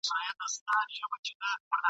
چي د چا پر سر یې باز وي کښېنولی !.